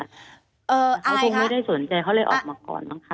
เขาคงไม่ได้สนใจเขาเลยออกมาก่อนบ้างคะ